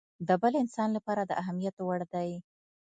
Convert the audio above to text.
د بل انسان لپاره د اهميت وړ دی.